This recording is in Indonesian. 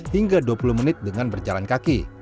lima belas hingga dua puluh menit dengan berjalan kaki